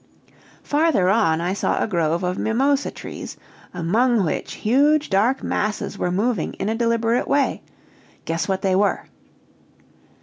Farther on I saw a grove of mimosa trees, among which huge dark masses were moving in a deliberate way. Guess what they were!"